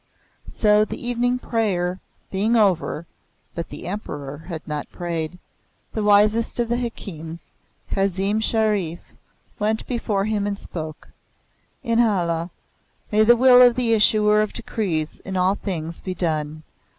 So, the evening prayer being over (but the Emperor had not prayed), the wisest of the hakims, Kazim Sharif, went before him and spoke: "Inhallah! May the will of the Issuer of Decrees in all things be done!